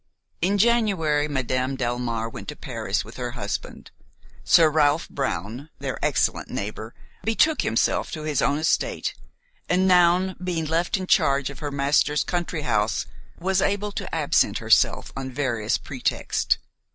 In January Madame Delmare went to Paris with her husband; Sir Ralph Brown, their excellent neighbor, betook himself to his own estate, and Noun, being left in charge of her master's country house, was able to absent herself on various pretexts.